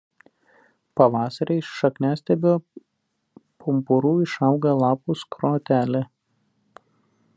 Pavasarį iš šakniastiebio pumpurų išauga lapų skrotelė.